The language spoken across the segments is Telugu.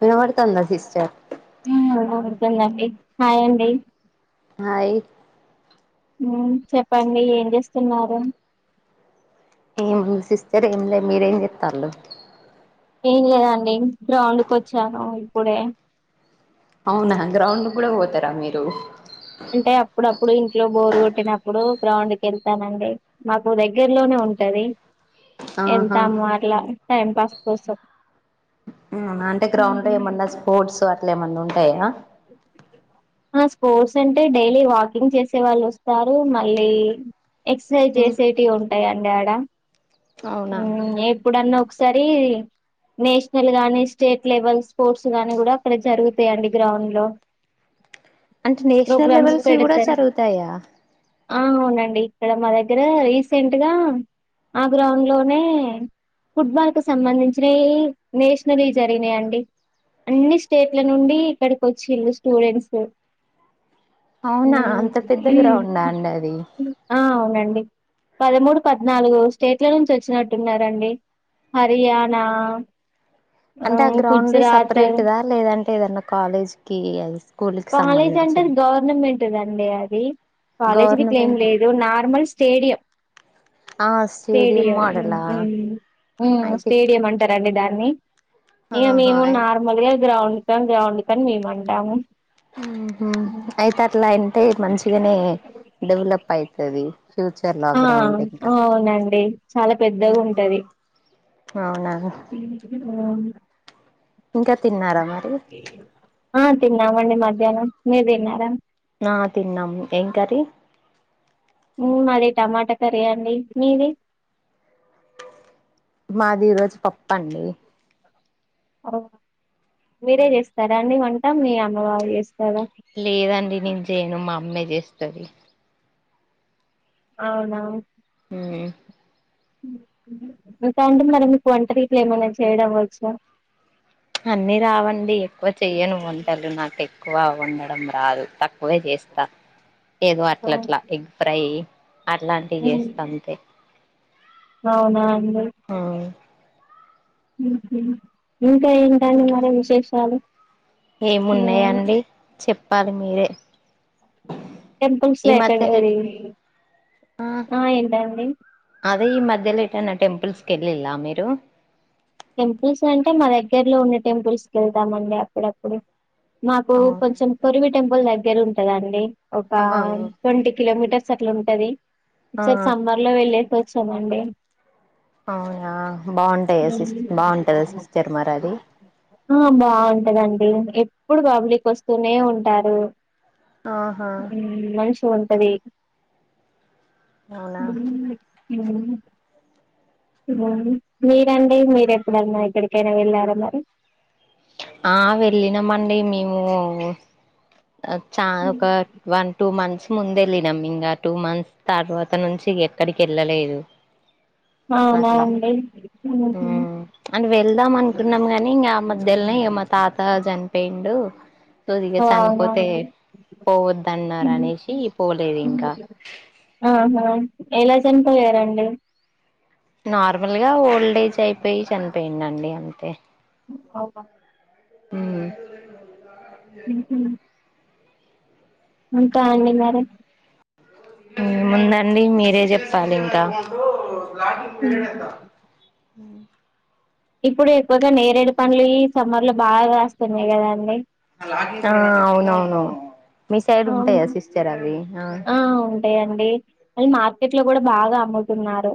వినబడుతుందా సిస్టర్? ఉ అవుతుందండి హాయండి హాయ్ మ్ చెప్పండి ఏం చేస్తున్నారు? ఏం సిస్టర్ ఏం లే మీరేం చెస్తళు? ఏం లేదండి గ్రౌండ్కి వచ్చాను ఇప్పుడే అవునా గ్రౌండ్ కూడా పోతారా మీ అంటే అప్పుడప్పుడు ఇంట్లో బోరు కొ ట్టినప్పుడు గ్రౌండ్ క వెళ్తానండి మాకు దగ్గర్లోనే ఉంటది. ఆహా ఎద్దామర్లా టైం పాస్ కోసం అవునాండి గ్రౌండ్ లో ఏమన్నా స్పోర్ట్స్ అట్లా ఏమన్నా ఉంటాయా? అ స్పోర్ట్స్ అంటే డైలీ వాకింగ్ చేసే వాళ్ళు వస్తారు మళ్ళీ ఎక్ససైజ్ చేసేటివి ఉంటాయండి ఆడ అవునా ఊ ఎప్పుడన్నా ఒక సరి నేషనల్ గానీ, స్టేట్ లెవెల్ స్పోర్ట్స్ గానీ కూడా అక్కడ జరుగుతాయండి గ్రౌండ్ లో. అంటే నేషనల్ ప్రోగ్రామ్స్ లెవెల్స్వి కూడా పెడతారు జరుగుతాయా? ఆ అవునండి ఇక్కడ మా దగ్గర రీసెంట్గా ఆ గ్రౌండ్ లోనే ఫుట్బాల్ కు సంబంధించినవి నేషనల్వి జరిగినాయండి. అన్ని స్టేట్ల నుండి ఇక్కడికి వచ్చిళ్ళు స్టూడెంట్స్ ఊ అవునా అంత పెద్ద మ్ గ్రౌండా అండి అది ఆ రండి పదమూడు, పద్నాలుగు స్టేట్ల నుంచి వచ్చినట్టున్నారండి. హర్యాణ అంటే ఆ గ్రౌండ్ సపరేట్ దా లేదంటే ఏదన్నా కాలేజ్ కి అది స్కూల్ కి కాలేజ్ అంటే అది సంబంధించింది గవర్నమెంట్దండి అది కాలేజీకిట్ ఏం గవర్నమెంట్ లేదు నార్మల్ స్టేడియం ఆ స్టేడియం మోడలా మ్ ఉమ్ అయితే స్టేడియం అంటారండి దాన్ని ని ఇంగ ఆహా మేము అయితే నార్మల్ గా గ్రౌండ్ కని గ్రౌండ్ కని మేము అంటాము ఉమ్. అయితే అట్లా అంటే మంచిగనే డెవలప్ అయితది ఫ్యూచర్ లో ఆ గ్రౌండ్ ఇంకా అవునండి చాలా పెద్దగుంటది అవునా ఉహు అవును ఇంకా తిన్నారా మరి ఆ తిన్నామండి మధ్యాహ్నం మీరు తిన్నారా ఆ తిన్నాం ఏం కర్రి మాది టమాటా కర్రీ అండి మీది మాది ఈ రోజు పప్పండి మీరే చేస్తారా అండి వంటా మీ అమ్మవాల్ చేస్తారా లేదండి నేను చేయను మా అమ్మే చేస్తది అవునా హ్మ్ ఇంకా అంటే మరి మీ వంటరి ఇట్లా ఏమైనా చేయడం వచ్చా అన్ని రావండి ఎక్కువ చెయను వంటలు నాకు ఎక్కువ వండడం రాదు తక్ క్కువే చేస్తా ఏదో అట్లట్లా ఎగ్ ఫ్రై అట్లాంటివి చేస్త అంతే అవునం ఆ ఇంకా ఏంటండి మరి విశేషాలు ఏమున్నాయండి చెప్పాలి మీరే టెంపుల్స్ ఈ లో ఎక్కడ మధ్యలో అది ఎట్ ఆ ఏంటండి అదే ఈ మధ్యలో ఎటైన టెంపుల్స్ కి ఏలిల్లా మీరు టెంపుల్స్ అంటే మా దగ్గరలో ఉన్న టెంపుల్స్ కి ఎళ్తామండి అప్పుడప్పుడు మాకు అవునా కొంచెం పోరివి టెంపుల్ దగ్గర ఉంటదండి ఒక ఆ ట్వంటీ కిలోమీటర్స్ అట్ల ఉంటది ఆ సరి సమ్మర్ లో వెళ్ళేసోచ్చామండి అవునా బాగుంటాయ సిస్ బాగుంటదా సిస్టర్ మరి అది కదండి ఎప్పుడు బబ్లిక్ వస్తూనే ఉంటారు ఆహా మంచిగుంటది అవునా హ్మ్ మీరండి మీరేప్పుడన్నా ఎక్కడికైనా వెళ్ళారా మరి ఆ వెళ్ళినమండి మేము చాన ఒక వన్ టూ మంత్స్ ముందేళ్ళినం ఇంకా టూ మంత్స్ తర్వాత నుంచి ఎక్కడికి ఎళ్ళలేదు అవునా అట్ల అండి ఉహు. అని వెళ్దాం అనుకున్నాం గాని ఇంగ అమ్ మధ్యలనే ఇగ మా తాత చనిపోయిండు సో ఇగ అవునా చనిపోతే అండి పోవద్దన్నారనేసి పోలేదు ఇంకా అహ చనిపోయారా అండి నార్మల్గా ఓల్డ్ ఏజ్ అయిపోయి చనిపోయిండండి అంతే అవునా ఉ ఇంకా అండి మరి. ఏముందండి మీరే చెప్పాలి ఇంకా. లాంటి పిరియడ్ పెడతా. ఇప్పుడు ఎక్కువగా నేరేడు పండులు సమ్మర్ లో బాగా వస్తున్నాయి కదాండి. ఆహ్ అవునవును. మీ సైడ్ ఉంటాయా సిస్టర్ అవి ఆహ్. ఇవి మార్కెట్ లో కూడా బాగా అమ్ముతున్నారు.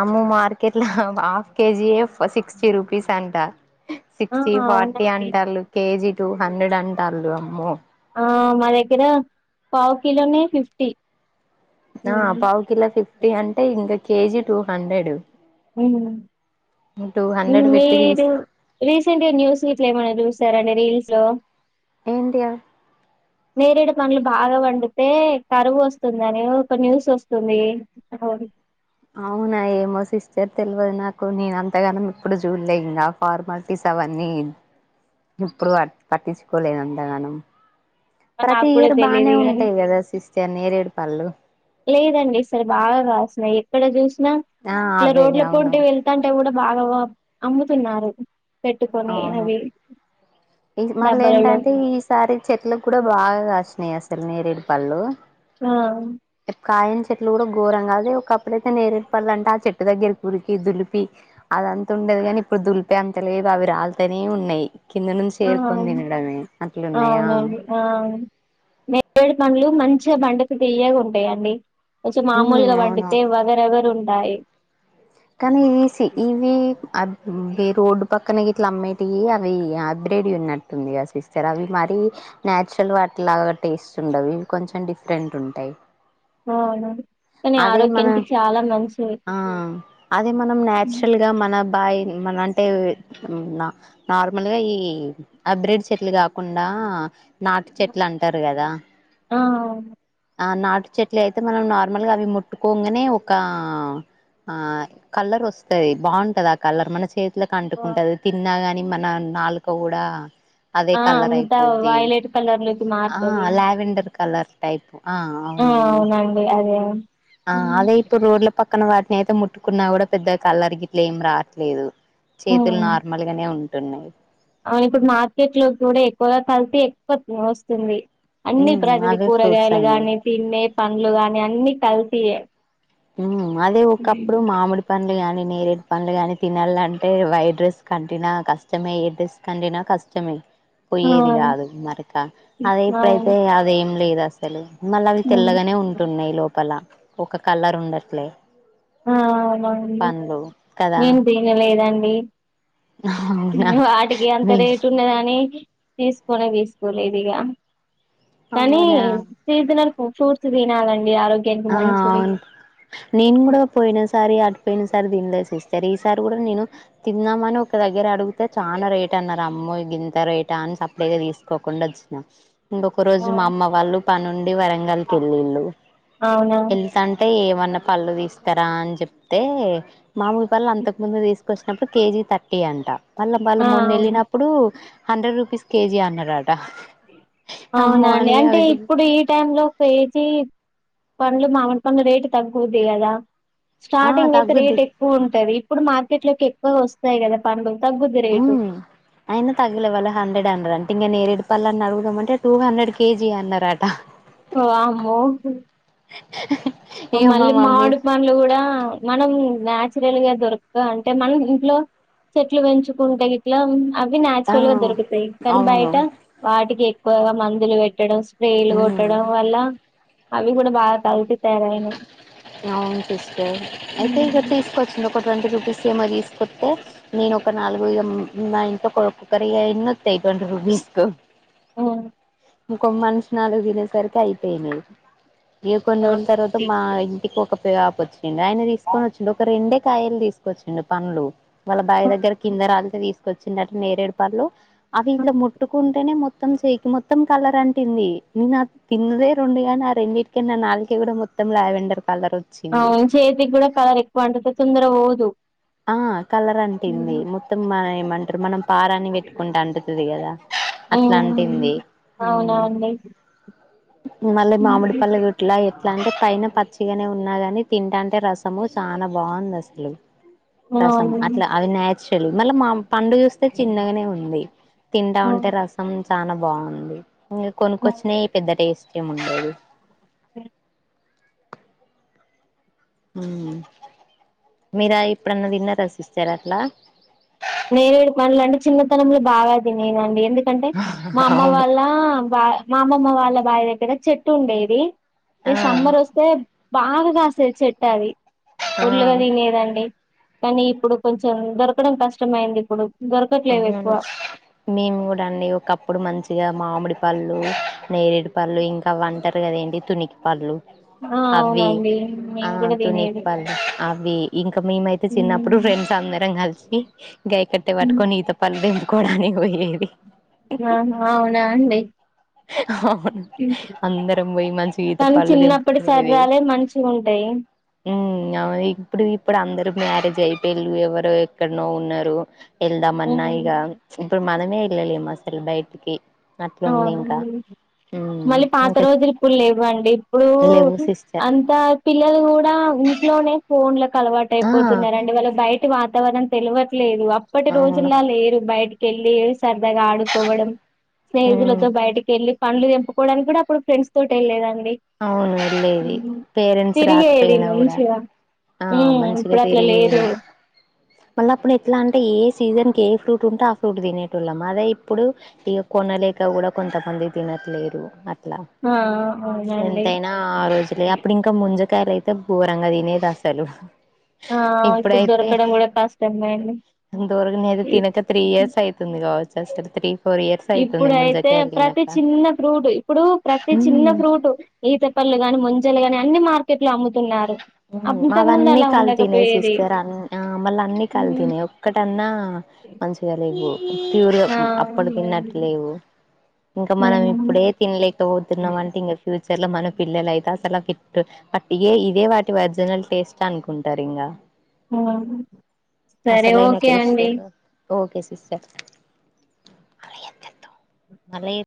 అమ్మో మార్కెట్ లో హాఫ్ కేజీయే సిక్స్టీ రూపీస్ అంటా. ఆ సిక్స్టీ ఫార్టీ అవునండి అంటంళు కేజీ టూ హండ్రెడ్ అంటళ్ళు అమ్మో. ఆహ్ మా దగ్గర పావు కీలోనే ఫిఫ్టీ. ఆహ్ పావుకిలో ఫిఫ్టీ అంటే ఇంకా కేజీ టూ హండ్రెడ్. ఉమ్. టూ హండ్రెడ్ పెట్టి మీరు తీసుకు రీసెంట్గా న్యూస్ ఇట్లేమన్నా చూసార అంటే రీల్స్. పోం ఏంటి అవి ఏడేడ ప్రాబ్లం. బాగా పండితే కరువు వస్తుందని ఒక న్యూస్ వస్తుంది. అవునా ఏమో సిస్టర్ తెలువదు నాకు నేను అంతగానం ఎప్పుడు చూడలేదు ఆ ఫార్మాలిటీస్. అవన్నీ ఎప్పుడు పట్టించుకోలేదు అంతగానం. ప్రతి నాకు కూడా ఇయర్ బానే తెలీదు గాని ఉంటాయి కదా సిస్టర్ నేరేడు పళ్ళు. లేదండి ఈ సారి బాగా కాసిన్నాయి ఎక్కడ చూసినా ఆ ఇలా అవే రోడ్ల అవును పోంటీ వెళ్తాంటే కూడా. బాగా బ అమ్ముతున్నారు పెట్టుకొని అవి. ఈస్ మళ్ళ డబ్బాలలో. ఏందంటే ఈసారి చెట్లకు కూడా బాగా కాసినాయి అసలు నేరేడు. పండ్లు. ఆ! కాయని చెట్లు కూడా ఘోరం కాదు ఒక అప్పుడైయితే నేరేడు పండాలంటే ఆ చెట్టు దగ్గరికి. ఉరికి దులిపి అదంత ఉండేది కానీ ఇప్పుడు దులిపి అంత లేదు అవి రాలుతనే ఉన్నాయి. కింద నుంచి ఆ! ఎరుకొని తినడమే అట్లున్నాయా ఆహ్. అవునండి. ఆ! నేరేడు పండ్లు మంచిగా బండికి తీయ్యగా ఉంటాయండి. కొచ్చు ఉమ్ మామూలుగా అవునా పండితే వగరువగరు ఉంటయి. కానీ ఇవి ఇవి అ రోడ్డు పక్కన ఇగ ఇట్లా అమ్మేటివి అవి. హైబ్రెడ్వి ఉన్నట్టుందిగా సిస్టర్ అవి మరీ నచురల్ వాటి లాగా టేస్ట్ ఉండవివి కొంచం. కొంచం డిఫరెంట్ ఉంటాయి. అవును కానీ అదే మన ఆరోగ్యానికి చాలా మంచిది. ఆ అదే మనం నాచురల్ గా మన బాయ్. మన అంటే నార్మల్గా ఈ హబ్రిడ్ చెట్లు కాకుండా. నాటు చెట్లు అంటారు కదా ఆ ఆహ్ నాటు చెట్లు అయితే. అయితే మనం నార్మల్ గా అవి ముట్టుకోంగానే ఒక ఆహ్. కలర్ వస్తది బాగుంటది ఆ కలర్ మన చేతిలకి అంటుకుంటది తిన్నాగాని. కాని మన నాలుక కూడా. అదే ఆ కలర్ అంతా అయిపోద్ది వైలెట్ కలర్ లోకి మారుతది ఆహ్ లావెండర్ కలర్. ఆహ్ ఆ అవునవును అవునండి అదే ఆహ్ అదే ఇప్పుడు రోడ్ల పక్కన వాడ్. చేతో ముట్టుకున్నా కూడా పెద్ద కలర్ గిట్లు ఏం రావట్లేదు చేతులు నార్మల్ గానే ఉంటా. ఉంటున్నాయి. రైతు మార్కెట్ లో కూడా ఎక్కువగా కల్తీ ఎక్కువ వస్తుంది. అన్ని ఉమ్ ప్రతి అవే ఫ్రూట్స్ కూరగాయలు అయినాయి గాని తిన్నే పండ్లు గాని అన్ని కల్తీయే. ఉమ్ అదే ఒకప్పుడు మామిడి పండ్లు కానీ నేరేడు. పండ్లు గాని తినాలంటే వైట్ డ్రెస్ కి అంట్టినా కష్టమే ఏ డ్రెస్కంట్టినా కష్టమే. ఆ పోయేది కాదు మరక అదే ఇప్పుడైతే అవును అదేం లేదు అసలు మళ్ళ అవి ఉమ్. తెల్లగనే ఉంటున్నాయి లోపల ఒక కలర్ ఉండట్లే ఆ అవునండి పండ్లు కదా నేను తినలేదండి అవునా వాటికి అంత మీ రేటు ఉన్నదని తీసకొనే తీసుకోలేదు ఇగా కనీ అవునా సీజనల్ ఫ్రూట్స్ తినాలండి ఆరోగ్యానికి ఆ మంచిది అవును నేను కూడా పోయిన సారి ఆపోయిన సారి తినలేసీ సరే ఈసారి కూడ నేను తిన్నామని ఒక దగ్గర అడుగుతే చాలా రేట్ అన్నారు అమ్మో గింత రేటా అన్ సప్పుడుగ్ తీసుకోకుండా వొచ్చిన ఇంకొక రోజు మా అమ్మ వాళ్ళు పన్ ఉండి వరంగల్ ఎల్లిల్లు అవునా ఏమన్నా పళ్ళు తీస్తర అని చెప్తే మామూలు పండ్లు అంతకు ముందు తీస్ వచ్చినప్పుడు కేజీ థర్టీ అంట మళ్ళా వాళ్ళు ఆ మొన్న వెళ్ళినప్పుడు హండ్రెడ్ రూపీస్ కేజీ అన్నడు ఆడు అవునాండి అంటే అవి ఇప్పుడు ఈ టైమ్ లో కేజీ పండ్లు మామిడి పండ్లు రేటు తగ్కువవుంది కదా ఆ స్టార్టింగ్ అయితే రేట్ తగ్గుద్ది ఎక్కువ ఉంటది ఇప్పుడు మార్కెట్ లోకి ఎక్కువ వస్తయి కద పండ్లు తగ్గుద్ది రేటు హ్మ్ అయిన తగ్లే వాళ్ళు హండ్రెడ్ హండ్ర అండి ఇంగ నేరేడి పండల్ని అడుగుమంటే టూ హండ్రెడ్ కేజీ అన్నారట వామ్మో ఇగ మా మళ్ళీ మమ్మీ మామిడి పండ్లు కూడా మనం నాచురల్ గా దొరక అంటే మనం ఇంట్లో చెట్లు పెంచుకుంటే గిట్ల అవి ఆ నాచురల్ గా దొరుకుతాయి కానీ అవును బయట వాటికి ఎక్కువగ మందులు పెట్టడం రైళ్లు ఉమ్ కొట్టడం వల్ల అవి కూడ బా కల్తీ తయారయినాయి అవును సిస్టర్ అయితే ఇగ తీసుకొచ్చింది ఒక ట్వంటీ రూపీస్ ఏమో తీసుకొత్తే నేను ఒక నాలుగు ఏం మా ఇంట్లో కుక్కర్ ఎన్నొతయి ట్వంటీ రూపీస్ కు హ్మ్ ఇంకొ మనిషి నాలుగు తిరేసరికి అయిపోయినాయీ ఈంక కొన్ని రోజుల తర్వాత మా ఇంటికి ఒక పెదబాపు వచ్చిండా ఆయన తీసుకొని వచిండు ఒక రెండే కాయలు తీసుకొచ్చిండు పండ్లు వాళ్ళ బాయి దగ్గర కిందరాలితే తీసుకొచ్చిందిట నేరేడు పళ్లు అవి ఇట్ల ముట్టుకుంటేనే మోత్ మొత్తం చేయి కి మొత్తం కలర్ అంటింది నాకూ తిన్నదే రెండుగానీ నా రెండింటికన నాలుకే కూడా మొత్ తం లావెండర్ కలర్ వచ్చింది అవు చేతికి కూడ కలర్ ఎక్కువ అంటతే తొందర పొదు ఆ కలర్ అంటింది మొత్తం మన ఏమంటారు మనం పారానీ పెట్టుకుంటే అంటుతది కద అట్ల అంటింది అవునా హ్మ్ అండి మళ్ళీ మామిడి పళ్ళు గుట్లా ఎట్లా అంటే పైన పచ్చిగనే ఉన్నాగా తింట అంటే రసము చాలా బాగుంది అసలు రసం అట్లా అవును అది నే నాచురల్ మళ్ళ పండు చూస్తే చిన్నగనే ఉంది తింటా ఉంటే రసం చాలా బాగుంది ఇంగ కొను కొచ్చినయి పెద్ద టేస్ట్ ఏం ఉండదూ మీరా ఎప్పుడన్న తిన్నార సిస్టర్ అట్లా నేరెడు పండ్లు అంటే చిన్నతనంలో బాగ తినేనండి ఎందు కంటే మా అమ్మ అవును వాళ్ళ బా మా అమ్మమ్మ వాళ్ళ బాయి దగ్గర చెట్టు ఉండేది ఏ ఆ సమ్మర్ వస్తే బాగా కాస్తది చెట్టు అది ఆ ఫుల్ గా తినేదండి కానీ ఇప్పుడు కొంచెం దొరకడం కష్టమయిందిప్పుడు అవును మేము కూడా అండి ఒకప్పుడు మంచిగా మామిడి పళ్ళు నేరేడి పళ్ళు ఇంకా అవ్వంటరు కద ఏంటి తునికి పళ్ళు ఆ అవ్వి అవునండి ఆ మేము కూడా తునికి తినేది పల్ అవ్వి ఇంక మేమైతే చిన్నప్పుడు మ్మ్. ఫ్రెండ్స్ అందరం కలిసి గయ కట్టె పట్టుకొని ఈత పళ్లు దెంపుకోవడాని పోయేది ఆహా అవునా అండి అవును అందరం పోయి మంచిగ ఈత కానీ పళ్ళు చిన్నప్పటి తెంపుకునేది సరదాలే మంచిగుంటాయి ఉ అవును ఇప్పుడు ఇప్పుడు అందరు మ్యారేజ్ అయిపోయిళ్ళు ఎవరో ఎక్కడనో ఉన్నారు ఎళ్దామన్నా ఇగ మ్మ్. ఇప్పుడు మనమే ఎల్లలేము అసల్ బయట్కి అట్లుంది ఇంకా అవును మళ్ళీ పాత ఇంకా రోజులు ఇప్పుడు లేవండి ఇప్పుడు లేవు సిస్టర్ అంత పిల్లలు కూ త ఇంట్లోనే ఫోన్లకు అలవాటు ఆ అయిపోతున్నారండి వాళ్ళ బయటి వాతావరణం తెలువట్లేదు అప్పటి అవును రోజుల్లా లేరు బయటికి ఎల్లి సరదాగా ఆడుకోవడం స్నేహితులతో ఉమ్ బయటకి ఎళ్ళి పండ్లు తెంపుకోవడానికి కూడా అప్పుడు ఫ్రెండ్స్ తోటి వెళ్లేదం అవును వెళ్లేది పేరెంట్స్ తిరిగేది రాకపోయినా కూడా మంచిగా ఆ ఉమ్ మంచిగా ఇప్పుడు అట్లా తిరిగి లేదు మళ్ళప్పుడు ఎట్లా అంటే ఏ సీజన్ కె ఏ ఫ్రూట్ ఉంటే ఆ ఫ్రూటు తినేటోల్లం అదే ఇప్పుడు ఇగ కొనలేక కూడా కొంతమంది తినట్లేరు అ ఆ అవునండి ఎంతైనా ఆ రోజులే అప్పుడు ఇంకా ముంజకాయలు అయితే ఘోరంగా తినేది అసలు ఆ ఇప్పుడు దొరకడం కూడా కష్టమైంది దొరగనేది తినక త్రీ ఇయర్స్ అయితుంది కావచ్చు అసలు త్రీ ఫోర్ ఇయర్స్ అయితుంది ఇప్పుడయితే ముంజకాయలు ప్రతి తినక చిన్న ఫ్రూట్ ఇప్పుడు ప్రతి చిన్న ఉమ్ ఫ్రూట్ ఈతపళ్ళు గాని ముంజలు గాని అన్ని మార్ తున్నారు అవన్నీ కల్తీనే సిస్టర్ అ ఆ మళ్ళ అన్ని కల్తీనే ఒక్కటన్నా మంచిగా లెవ్వు ప్యూరు ఆ అప్పడు తిన్నట్ లేవు ఇంకా మనం ఇప్పుడే తినలేకపోతున్నాం అంటే ఇంకా ఫ్యూచ చర్లో మన పిల్లలయితే అసల కిట్టు ఇగే ఇదే వాటి ఒరిజినల్ టేస్ట్ అనుకుంటారు ఇంగ ఎవరు సరే ఓకే టేస్ట్ అండి తెల్వదు ఓకే సిస్టర్ మల